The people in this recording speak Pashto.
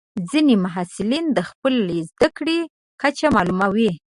ځینې محصلین د خپلې زده کړې کچه معلوموي.